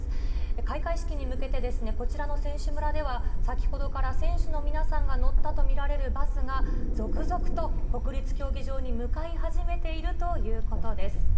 開会式に向けてですね、こちらの選手村では、先ほどから選手の皆さんが乗ったと見られるバスが、続々と国立競技場へ向かい始めているということです。